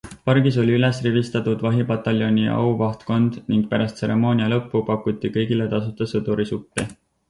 Pargis oli üles rivistatud Vahipataljoni auvahtkond ning pärast tseremoonia lõppu pakuti kõigile tasuta sõdurisuppi.